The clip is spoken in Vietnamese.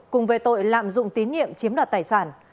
cùng về tội lạm dụng tín nhiệm chiếm đoạt tài sản